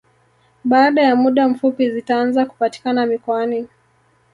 Baada ya muda mfupi zitaanza kupatikana mikoani